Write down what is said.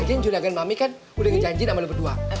akhirnya juragan mami kan udah ngejanjin sama lu berdua